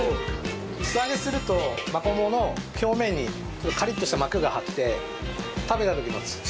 素揚げするとマコモの表面にカリッとした膜が張って食べた時の食感がより良くなります。